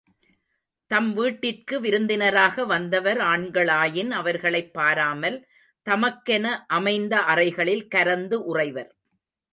தம் வீட்டிற்க்கு விருந்தினராக வந்தவர் ஆண்களாயின் அவர்களைப் பாராமல் தமக்கென அமைந்த அறைகளில் கரந்து உறைவர்.